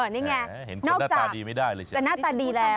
นี่ไงนอกจากแต่หน้าตาดีแล้ว